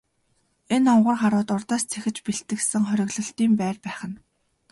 Энэ овгор харууд урьдаас зэхэж бэлтгэсэн хориглолтын байр байх нь.